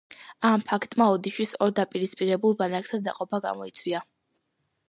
ამ ფაქტმა ოდიშის ორ დაპირისპირებულ ბანაკად დაყოფა გამოიწვია.